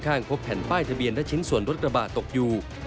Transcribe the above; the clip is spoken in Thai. ข้างพบแผ่นป้ายทะเบียนและชิ้นส่วนรถกระบะตกอยู่